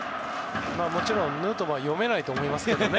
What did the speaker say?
もちろんヌートバーは読めないと思いますけどね。